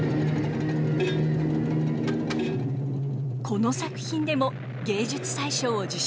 この作品でも芸術祭賞を受賞。